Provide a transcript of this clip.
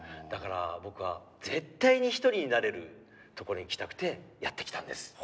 だから僕は絶対に一人になれる所に来たくてやって来たんです。